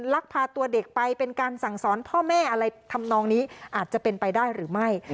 ลักพาตัวเด็กไปเป็นการสั่งสอนพ่อแม่อะไรทำนองนี้อาจจะเป็นไปได้หรือไม่